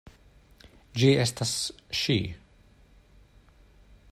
Ĝi estas ŝi!